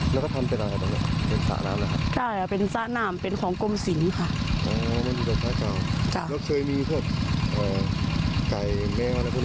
แล้วเคยมีเกิดใก่แมวและพวกนี้ลองมีทางไหนไหม